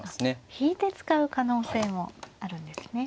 引いて使う可能性もあるんですね。